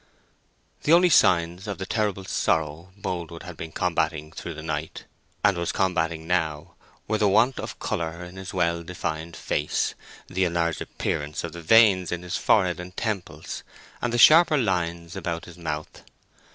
The only signs of the terrible sorrow Boldwood had been combating through the night, and was combating now, were the want of colour in his well defined face, the enlarged appearance of the veins in his forehead and temples, and the sharper lines about his mouth.